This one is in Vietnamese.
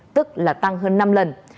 tức là tăng hơn năm lần